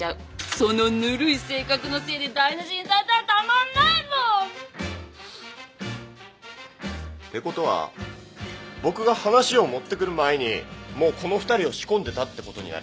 そのぬるい性格のせいで台無しにされたらたまんないもん！ってことは僕が話を持ってくる前にもうこの２人を仕込んでたってことになる。